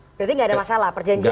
berarti gak ada masalah